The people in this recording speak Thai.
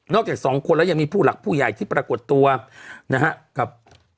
จากสองคนแล้วยังมีผู้หลักผู้ใหญ่ที่ปรากฏตัวนะฮะกับ